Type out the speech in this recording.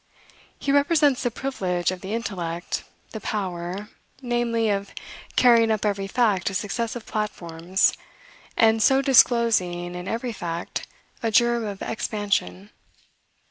He represents the privilege of the intellect, the power, namely, of carrying up every fact to successive platforms, and so disclosing, in every fact, a germ of expansion.